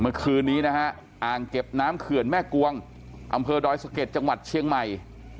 เมื่อคืนนี้นะฮะอ่างเก็บน้ำเขื่อนแม่กวงอำเภอดอยสะเก็ดจังหวัดเชียงใหม่